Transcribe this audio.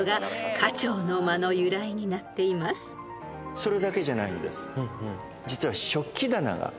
それだけじゃないんです。